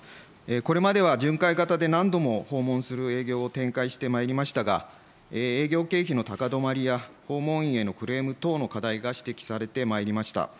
これまでは巡回型で何度も訪問する営業を展開してまいりましたが、営業経費の高止まりや、訪問員へのクレーム等の課題が指摘されてまいりました。